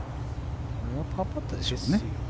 これはパーパットですよね。